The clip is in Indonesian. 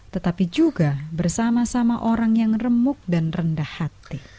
tetapi juga bersama sama orang yang remuk dan rendah hati